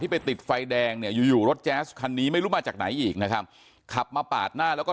ไปติดไฟแดงเนี่ยอยู่อยู่รถแจ๊สคันนี้ไม่รู้มาจากไหนอีกนะครับขับมาปาดหน้าแล้วก็